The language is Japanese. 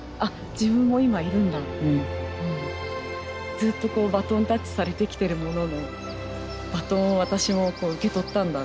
ずっとバトンタッチされてきてるもののバトンを私も受け取ったんだって思って。